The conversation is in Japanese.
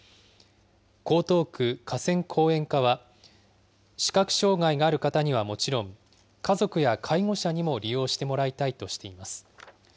江東区河川公園課は、視覚障害がある方にはもちろん、家族や介護者にも利用してもらいたいとしています。